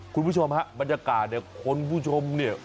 คุณผู้ชมฮะบรรยากาศเนี่ยคุณผู้ชมเนี่ย